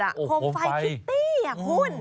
โคมไฟคิตตี้คุณ